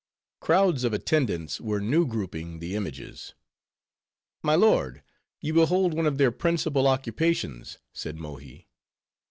Crowds of attendants were new grouping the images. "My lord, you behold one of their principal occupations," said Mohi.